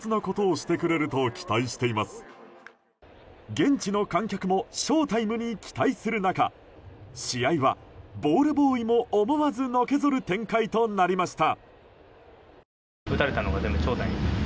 現地の観客も翔タイムに期待する中試合はボールボーイも思わずのけ反る展開となりました。